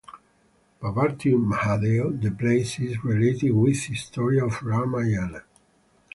Parvati Mahadeo: The place is related with history of Ramayana.